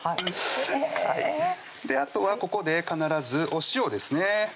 へぇあとはここで必ずお塩ですね